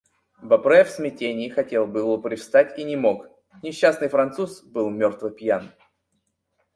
Бопре в смятении хотел было привстать и не мог: несчастный француз был мертво пьян.